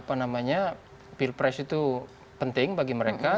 karena pilpres itu penting bagi mereka